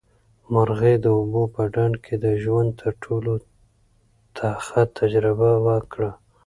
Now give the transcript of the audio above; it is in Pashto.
مرغۍ د اوبو په ډنډ کې د ژوند تر ټولو تخه تجربه وکړه.